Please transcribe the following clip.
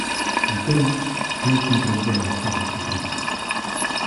Entón creu comprender a verdade terríbel.